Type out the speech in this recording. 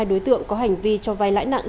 hai đối tượng có hành vi cho vay lãi nặng